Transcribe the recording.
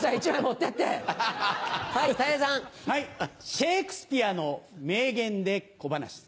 シェイクスピアの名言で小噺。